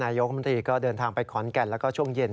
นายกมติก็เดินทางไปขอนแก่นและช่วงเย็น